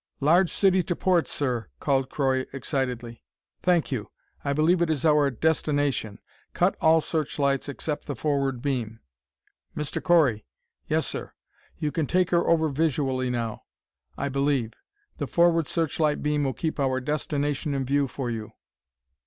"Large city to port, sir!" called Croy excitedly. "Thank you. I believe it is our destination. Cut all searchlights except the forward beam. Mr. Correy!" "Yes, sir." "You can take her over visually now, I believe. The forward searchlight beam will keep our destination in view for you.